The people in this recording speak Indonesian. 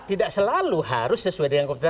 tidak selalu harus sesuai dengan konstitusi